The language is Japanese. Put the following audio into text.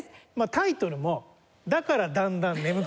タイトルも『だから段々眠くなる』。